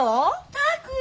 拓也！